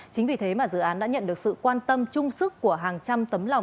chính vì thế mà dự án đã nhận được sự quan tâm chung sức của hàng trăm tấm lòng